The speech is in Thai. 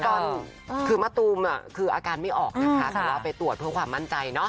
ก็คือมะตูมคืออาการไม่ออกนะคะแต่ว่าไปตรวจเพื่อความมั่นใจเนาะ